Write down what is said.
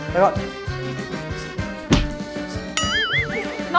ไปก่อน